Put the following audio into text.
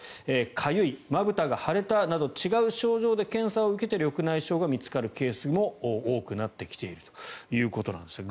かゆい、まぶたが腫れたなど違う症状で検査を受けて緑内障が見つかるケースも多くなってきているということなんですね。